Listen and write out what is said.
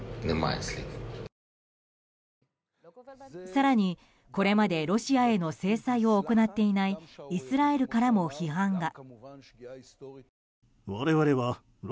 更に、これまでロシアへの制裁を行っていないイスラエルからも批判が。